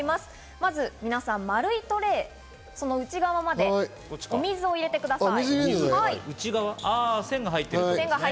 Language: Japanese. まず、丸いトレーの内側までお水を入れてください。